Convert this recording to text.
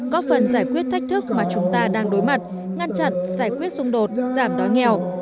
có phần giải quyết thách thức mà chúng ta đang đối mặt ngăn chặn giải quyết xung đột giảm đói nghèo